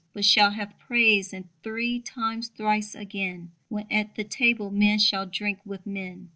But shall have praise, and three times thrice again, When at the table men shall drink with men.